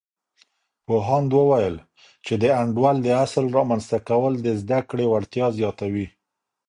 پوهاند وویل، چې د انډول د اصل رامنځته کول د زده کړې وړتیا زیاتوي.